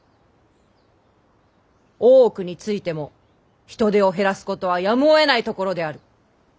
大奥についても人手を減らすことはやむをえないところである。